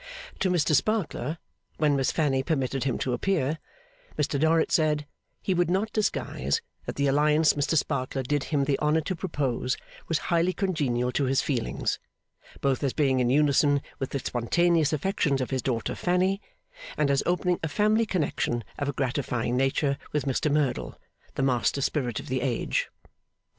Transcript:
To Mr Sparkler, when Miss Fanny permitted him to appear, Mr Dorrit said, he would not disguise that the alliance Mr Sparkler did him the honour to propose was highly congenial to his feelings; both as being in unison with the spontaneous affections of his daughter Fanny, and as opening a family connection of a gratifying nature with Mr Merdle, the master spirit of the age.